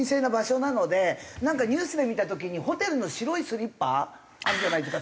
なんかニュースで見た時にホテルの白いスリッパあるじゃないですか。